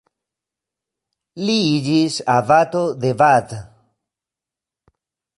Li iĝis abato de Bath.